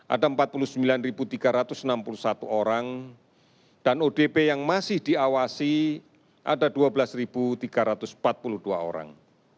ada empat puluh sembilan tiga ratus enam puluh satu orang dan odp yang masih diawasi ada dua belas tiga ratus empat puluh dua orang